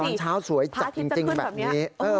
พรปพระอาทิตย์จะขึ้นแบบนี้